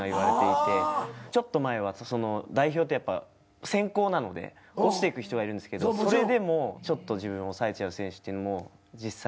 ちょっと前は代表ってやっぱ選考なので落ちていく人がいるんですけどそれでもちょっと自分を抑えちゃう選手っていうのも実際いはするので。